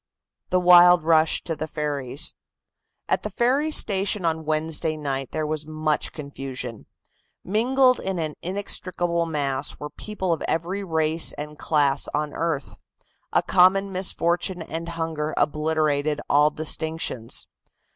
THE WILD RUSH TO THE FERRIES. At the ferry station on Wednesday night there was much confusion. Mingled in an inextricable mass were people of every race and class on earth. A common misfortune and hunger obliterated all distinctions.